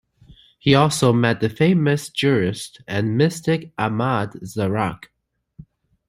He also met the famous jurist and mystic Ahmad Zarruq.